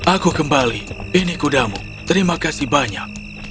aku kembali ini kudamu terima kasih banyak